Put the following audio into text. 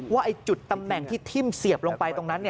ว่าจุดตำแหน่งที่ทิ่มเสียบลงไปตรงนั้น